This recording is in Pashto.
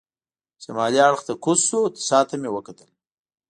شمالي اړخ ته کوز شو، شا ته مې وکتل.